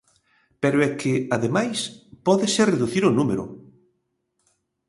Pero é que, ademais, pódese reducir o número.